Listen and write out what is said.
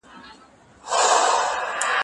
زه به اوږده موده واښه راوړلي وم،